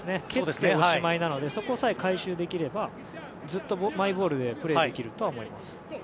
蹴っておしまいなのでそこさえ回収できればずっとマイボールでプレーできるとは思います。